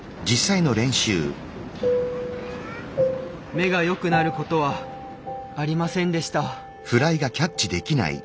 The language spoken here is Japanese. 目がよくなることはありませんでした。